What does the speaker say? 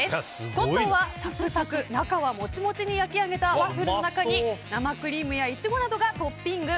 外はサクサク、中はモチモチに焼き上げたワッフルの中に生クリームやイチゴなどがトッピング。